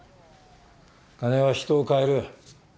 金は人を変える。